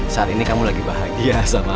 saat ini kamu lagi bahagia sama allah